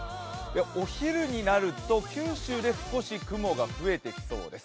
お昼になると、九州で少し雲が増えてきそうです。